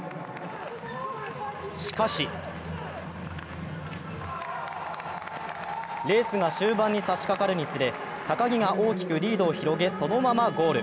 しかしレースが終盤に差しかかるにつれ、高木が大きくリードを広げ、そのままゴール。